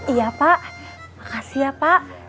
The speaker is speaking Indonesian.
iya pak makasih ya pak